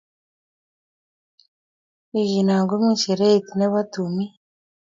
Wikiino komii shereit ne bo tumiin.